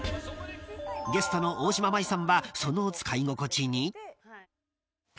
［ゲストの大島麻衣さんはその使い心地に］